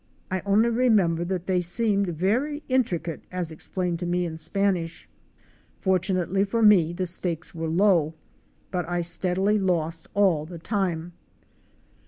I only remember that they seemed very intricate as explained to me in Spanish. Fortunately for me, the stakes were low, for I steadily lost all the time.